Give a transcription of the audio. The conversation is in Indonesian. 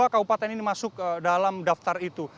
dua kabupaten ini masuk dalam daftar itu